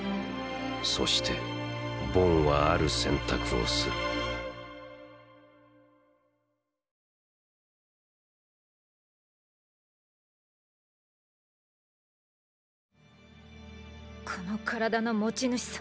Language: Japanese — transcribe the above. そしてボンはある選択をするこの体の持ち主さ。